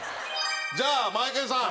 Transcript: じゃあマエケンさん